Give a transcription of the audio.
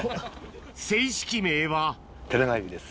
正式名はテナガエビです。